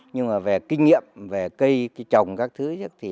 nhưng mà về kinh nghiệm về cây trồng các thứ